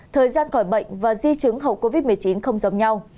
thời gian khỏi bệnh và di chứng hậu covid một mươi chín không giống nhau